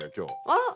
あっ！